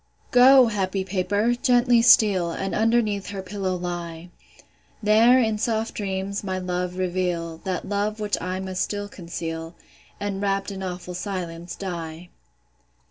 Go, happy paper, gently steal, And underneath her pillow lie; There, in soft dreams, my love reveal, That love which I must still conceal, And, wrapt in awful silence, die.